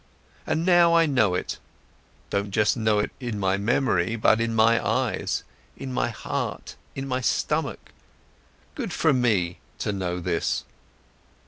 And now I know it, don't just know it in my memory, but in my eyes, in my heart, in my stomach. Good for me, to know this!"